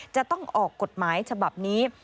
จะต้องออกกฎหมายฉบับนี้